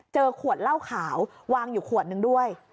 ขวดเหล้าขาววางอยู่ขวดนึงด้วย